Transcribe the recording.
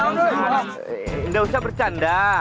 nggak usah bercanda